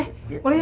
ya boleh ya